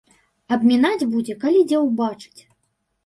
Абмінаць будзе, калі дзе ўбачыць.